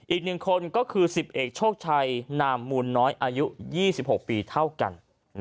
อีก๑คนก็คือ๑๐เอกโชคชัยนามมูลน้อยอายุ๒๖ปีเท่ากัน